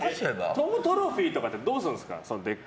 トロフィーとかってどうするんですか。